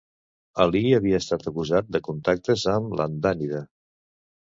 Ali havia estat acusat de contactes amb l'hamdànida.